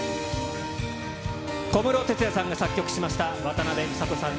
小室哲哉さんが作曲しました、渡辺美里さん